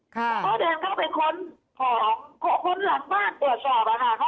เขาก็เดินเข้าไปค้นหลังบ้านตรวจสอบค่ะ